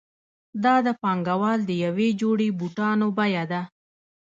دا د پانګوال د یوې جوړې بوټانو بیه ده